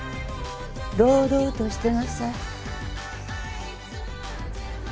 堂々としてなさい。